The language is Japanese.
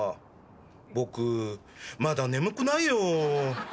僕まだ眠くないよ。